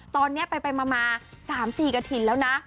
ตอนนี้ไปมา๓๔กระถิ่นแล้วนะ